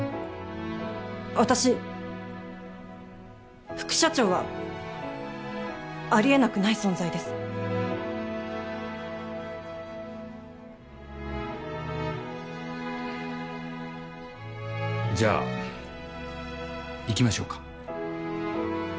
私副社長はありえなくない存在ですじゃあ行きましょうか？